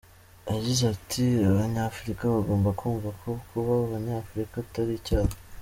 Yagize ati “ Abanyafurika bagomba kumva ko kuba umunyafurika atari icyaha.